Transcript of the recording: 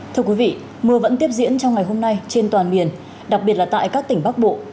thưa quý vị mưa vẫn tiếp diễn trong ngày hôm nay trên toàn miền đặc biệt là tại các tỉnh bắc bộ